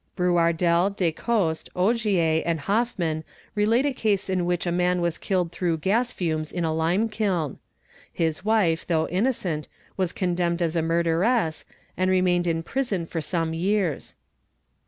Brouardel, Descotst, Ogier, and Hofmann relate a case in which a man was killed through gas fumes in a limekiln. His wife though innocent was condemned as a murderess and remained in prison for some years.